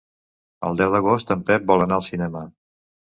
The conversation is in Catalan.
El deu d'agost en Pep vol anar al cinema.